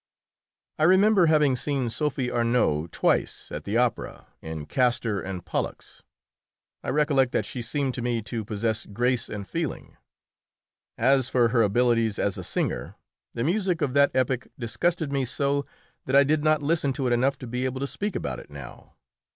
I remember having seen Sophie Arnould twice at the opera, in "Castor and Pollux." I recollect that she seemed to me to possess grace and feeling. As for her abilities as a singer, the music of that epoch disgusted me so that I did not listen to it enough to be able to speak about it now.